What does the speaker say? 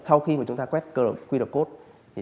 sau khi chúng ta quét qr code